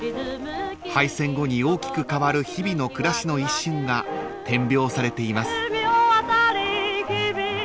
［敗戦後に大きく変わる日々の暮らしの一瞬が点描されています］